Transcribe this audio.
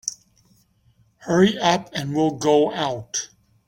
Hurry up and we'll go out.